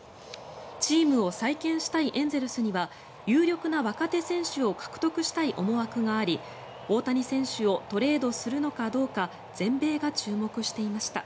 チームを再建したいエンゼルスには有力な若手選手を獲得したい思惑があり大谷選手をトレードするのかどうか全米が注目していました。